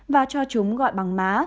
và cho chúng gọi bằng má